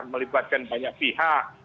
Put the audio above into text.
melibatkan banyak pihak